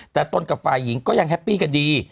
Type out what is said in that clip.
แต่ตนกับฝ่ายหญิงก็ยังแฮปปี้กันดี